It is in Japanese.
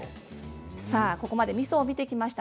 ここまで、みそを見てきました。